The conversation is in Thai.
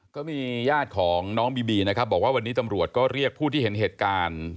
ก็มีญาติของน้องบีบีนะครับบอกว่าวันนี้ตำรวจก็เรียกผู้ที่เห็นเหตุการณ์